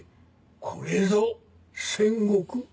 これぞ戦国。